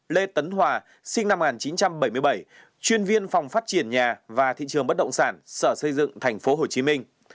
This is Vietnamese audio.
lê tấn hòa sinh năm một nghìn chín trăm bảy mươi bảy chuyên viên phòng phát triển nhà và thị trường bất động sản sở xây dựng tp hcm